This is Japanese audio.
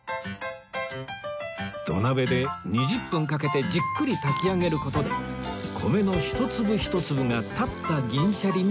土鍋で２０分かけてじっくり炊き上げる事で米の一粒一粒が立った銀シャリに仕上がっています